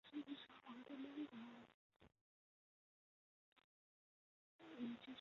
阮光韶是越南现代诗人。